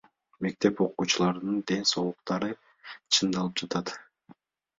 Мектеп окуучуларынын ден соолуктары чыңдалып жатат.